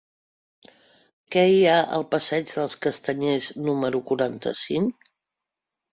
Què hi ha al passeig dels Castanyers número quaranta-cinc?